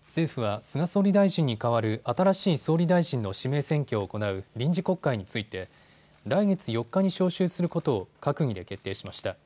政府は菅総理大臣に代わる新しい総理大臣の指名選挙を行う臨時国会について来月４日に召集することを閣議で決定しました。